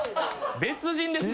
別人ですよ。